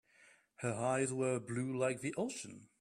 Her eyes were blue like the ocean.